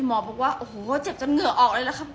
บอกว่าโอ้โหเจ็บจนเหงื่อออกเลยล่ะครับ